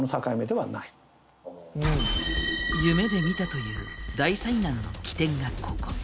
夢で見たという大災難の起点がここ。